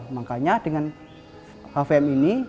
makanya dengan hvm ini